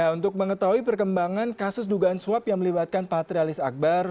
untuk mengetahui perkembangan kasus dugaan suap yang melibatkan patrialis akbar